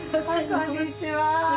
こんにちは。